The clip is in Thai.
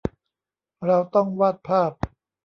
เราต้องวาดภาพ